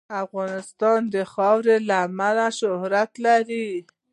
افغانستان د خاوره له امله شهرت لري.